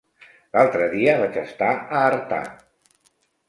L'altre dia vaig estar a Artà.